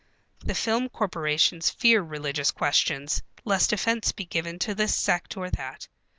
The film corporations fear religious questions, lest offence be given to this sect or that.